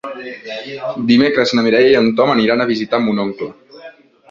Dimecres na Mireia i en Tom aniran a visitar mon oncle.